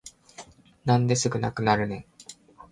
なんですぐなくなるねん